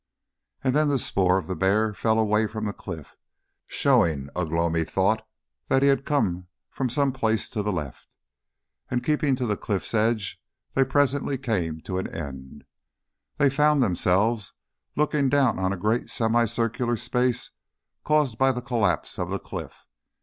And then the spoor of the bear fell away from the cliff, showing, Ugh lomi thought, that he came from some place to the left, and keeping to the cliff's edge, they presently came to an end. They found themselves looking down on a great semi circular space caused by the collapse of the cliff.